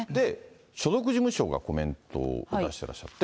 所属事務所がコメントを出してらっしゃって。